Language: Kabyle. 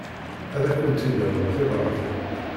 Ad akent-id-aruɣ tibratin.